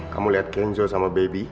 kamu lihat kenzo sama baby